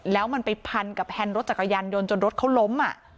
แล้วมันไปพันกับแฮนด์รถจักรยานยนต์จนรถเขาล้ม